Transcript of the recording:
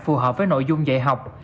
phù hợp với nội dung dạy học